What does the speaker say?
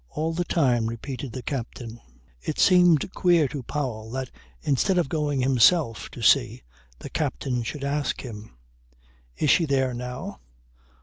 "All the time," repeated the captain. It seemed queer to Powell that instead of going himself to see the captain should ask him: "Is she there now?"